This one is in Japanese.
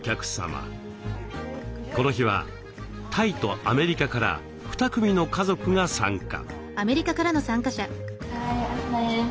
この日はタイとアメリカから２組の家族が参加。